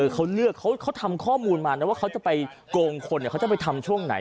เขาเลือกเขาทำข้อมูลมานะว่าเขาจะไปโกงคนเขาจะไปทำช่วงไหน